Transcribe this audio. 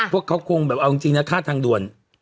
พวกเขาคงแบบเอาจริงนะค่าทางด่วน